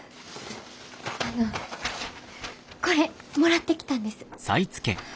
あのこれもらってきたんです。